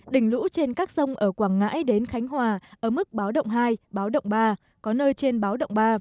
đỉnh lũ trên các sông ở quảng ngãi đến khánh hòa ở mức báo động hai báo động ba có nơi trên báo động ba